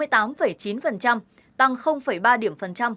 tăng ba điểm phần trăm